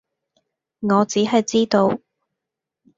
我只係知道